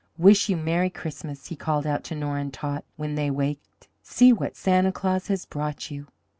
"Wish you Merry Christmas!" he called out to Nora and Tot when they waked. "See what Santa Claus has brought you!"